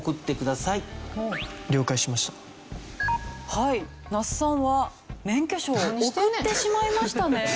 はい那須さんは免許証を送ってしまいましたね。